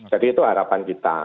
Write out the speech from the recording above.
jadi itu harapan kita